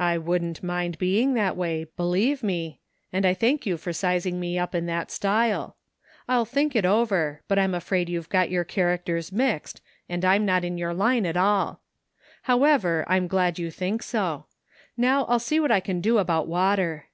I wouldn't mind being that way, believe me, and I thank you for sizing me up in that style. I'll think it over, but I'm afraid you've got your characters mixed and I'm not in your line at all. However, I'm glad you think so. Now I'll see what I can do about water."